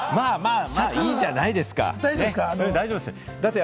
まぁまぁ、いいじゃないですか！